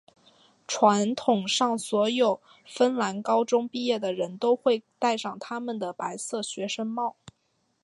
传统上所有芬兰高中毕业的人都会带上他们的白色的学生帽。